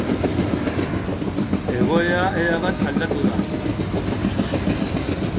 Egoera erabat aldatu da.